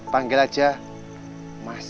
panggil aja mas